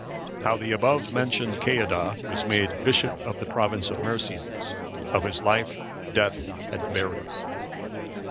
How the above mentioned Ceadda was made Bishop of the province of Mercians. Of his life, death, and burial.